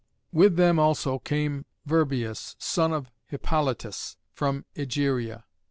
With them also came Virbius, son of Hippolytus, from Egeria.